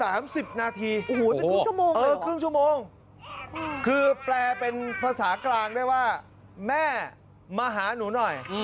ไอ้แม่ไอ้แม่มาหาแม่หน่อย